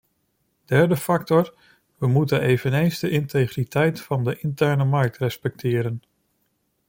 Derde factor: we moeten eveneens de integriteit van de interne markt respecteren.